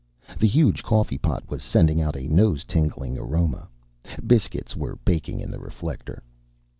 The huge coffee pot was sending out a nose tingling aroma. Biscuits were baking in the reflector.